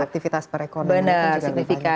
dan aktivitas perekonomian juga lebih banyak di situ